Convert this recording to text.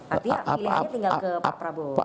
artinya pilihannya tinggal ke pak prabowo